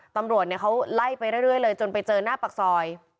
ตำรวจเขาไล่ไปเรื่อยเลยจนไปเจอหน้าปากซอย